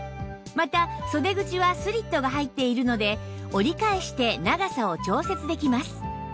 また袖口はスリットが入っているので折り返して長さを調節できます